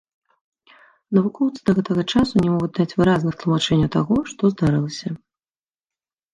Навукоўцы да гэтага часу не могуць даць выразных тлумачэнняў таго, што здарылася.